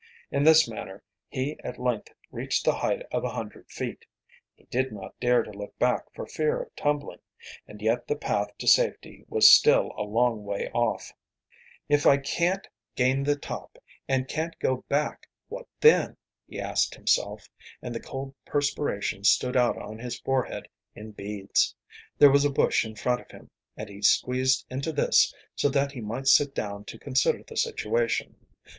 In this manner he at length reached the height of a hundred feet. He did not dare to look back for fear of tumbling. And yet the path to safety was still a long way off. "If I can't gain the top and can't go back, what then?" he asked himself, and the cold perspiration stood out on his forehead in beads. There was a bush in front of him, and he squeezed into this, so that he might sit down to consider the situation.